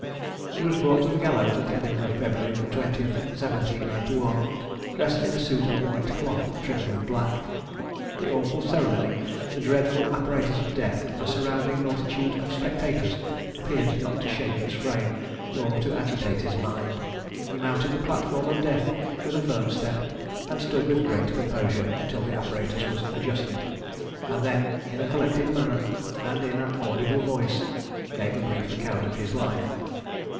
He was brought to the gallows at Edinburgh, February the 20th, 1791, dressed in a suit of white cloth, trimmed with black. The awful ceremony, the dreadful apparatus of death, the surrounding multitude of spectators, appeared not to shake his frame, nor to agitate his mind. He mounted the platform of death with a firm step, and stood with great composure till the apparatus was adjusted; and then, in a collected manner, and in an audible voice, gave a brief account of his life.